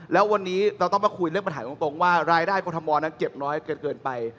แล้ววันนี้เราต้องมาคุยเรื่องปัญหาตรงว่ารายได้กรทมนั้นเก็บน้อยเกินไป